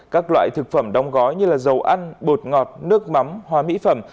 các loại thực phẩm đóng gói như dầu ăn bột ngọt nước mắm hoa mỹ phẩm